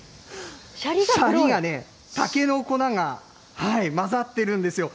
シャリがね、竹の粉が混ざってるんですよ。